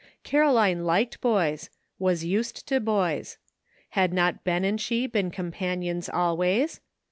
Caroline liked boys — was used to boys. Had not Ben and she been companions always?